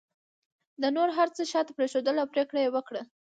ده نور هر څه شاته پرېښودل او پرېکړه یې وکړه